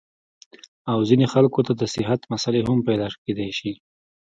او ځينې خلکو ته د صحت مسئلې هم پېدا کېدے شي -